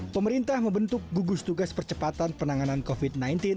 pemerintah membentuk gugus tugas percepatan penanganan covid sembilan belas